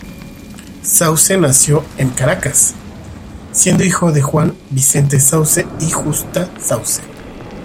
Sauce nació en Caracas, siendo hijo de Juan Vicente Sauce y Justa Sauce.